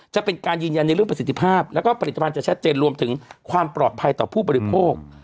จะเป็นการยืนยันในเรื่องประสิทธิภาพแล้วก็ผลิตภัณฑ์จะชัดเจนรวมถึงความปลอดภัยต่อผู้บริโภค